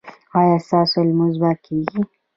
ایا ستاسو لمونځ به کیږي؟